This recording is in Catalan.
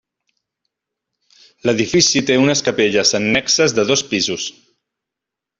L'edifici té unes capelles annexes de dos pisos.